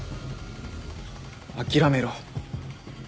諦めろ。